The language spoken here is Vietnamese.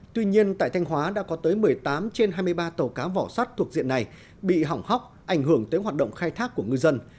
tuy nhiên tại thanh hóa đã có tới một mươi tám trên hai mươi ba tàu cá vỏ sắt thuộc diện này bị hỏng hóc ảnh hưởng tới hoạt động khai thác của ngư dân